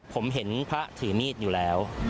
ผมเห็นพระถือมีดอยู่แล้ว